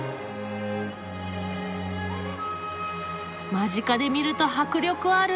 間近で見ると迫力ある！